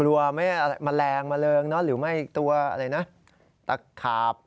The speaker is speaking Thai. ครัวไม่มะแรงมะเริงน้อหรือไม่ตัวตักขาบ